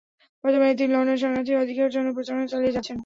বর্তমানে তিনি লন্ডনে শরণার্থীদের অধিকারের জন্য প্রচারণা চালিয়ে যাচ্ছেন।